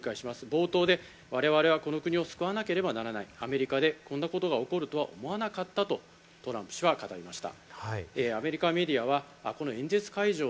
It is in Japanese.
冒頭で我々はこの国を救わなければならない、アメリカでこんな事が起こるとは思わなかったとトランプ氏は語りました。